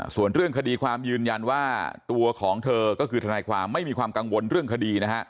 ส่วนเรื่องคดีความยืนยันว่าตัวของเธอก็คือทนายความไม่มีความกังวลเรื่องคดีนะฮะ